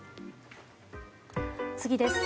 次です。